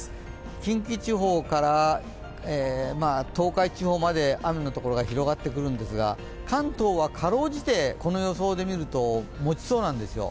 近畿地方から東海地方まで雨の所が広がってくるんですが関東はかろうじてこの予想で見ると持ちそうなんですよ。